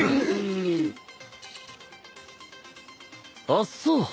あっそぉ。